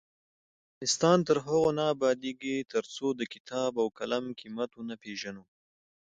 افغانستان تر هغو نه ابادیږي، ترڅو د کتاب او قلم قیمت ونه پیژنو.